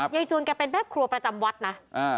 จูนแกเป็นแม่ครัวประจำวัดนะ